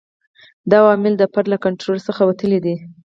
دا عوامل د فرد له کنټرول څخه وتلي دي.